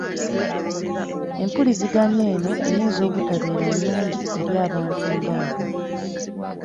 Empuliziganya eno eyinza obutabeera nnungi eri abantu ng’abo.